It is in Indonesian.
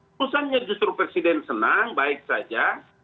urusannya justru presiden senang baik saja